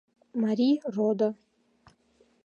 Марий родо